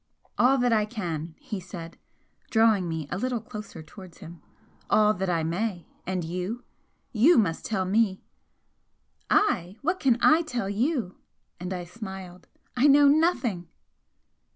"All that I can!" he said, drawing me a little closer towards him "All that I may! And you you must tell me " "I! What can I tell you?" and I smiled "I know nothing!"